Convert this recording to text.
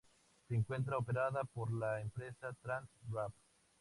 Se encuentra operada por la empresa Trans Rap.